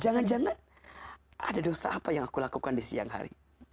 jangan jangan ada dosa apa yang aku lakukan di siang hari